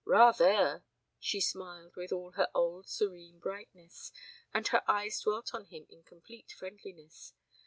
"Rather!" She smiled with all her old serene brightness and her eyes dwelt on him in complete friendliness.